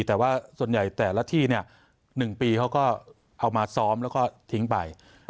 แต่ว่าส่วนใหญ่แต่ละที่๑ปีเขาก็เอามาซ้อมแล้วก็ทิ้งไป